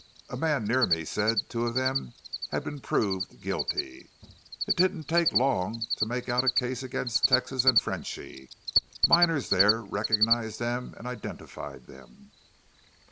A man near me said two of them had been proved guilty. It didn't take long to make out a case against Texas an' Frenchy. Miners there recognized them an' identified them.